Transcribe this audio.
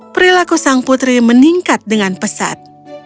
perilaku sang putri meningkat dengan pesat